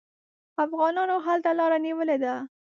افغانانو هلته لاره نیولې ده.